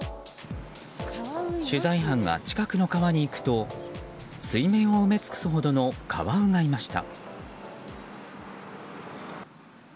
取材班が近くの川に行くと水面を埋め尽くすほどのカワウがいました。